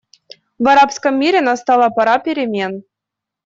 В арабском мире настала пора перемен.